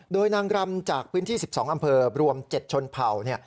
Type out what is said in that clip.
โดยนางรำจากพื้นที่๑๒อำเภอรวม๗ชนเผ่า